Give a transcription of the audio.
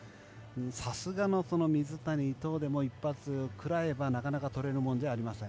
さすがの水谷・伊藤でも一発食らえばなかなか取れるものではありません。